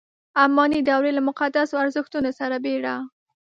اماني دورې له مقدسو ارزښتونو سره بېړه.